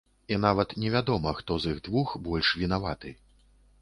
І нават невядома, хто з іх двух больш вінаваты.